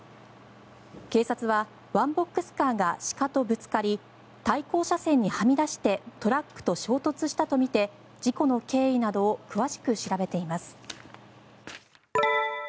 警察はワンボックスカーが鹿とぶつかり対向車線にはみ出してトラックと衝突したとみて事故の経緯などを詳しく調べています。